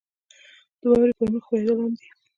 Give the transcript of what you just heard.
• د واورې پر مخ ښویېدل عام دي.